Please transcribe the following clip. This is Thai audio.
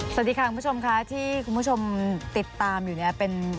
สวัสดีค่ะคุณผู้ชมค่ะที่คุณผู้ชมติดตามอยู่เนี่ยเป็น